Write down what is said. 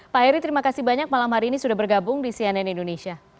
pak heri terima kasih banyak malam hari ini sudah bergabung di cnn indonesia